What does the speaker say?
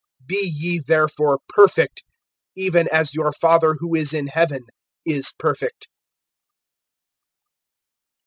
(48)Be ye therefore perfect, even as your Father who is in heaven is perfect.